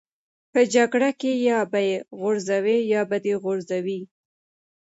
په جګړه کې یا به یې غورځوې یا به دې غورځوي